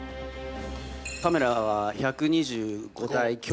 カメラは１２５台強。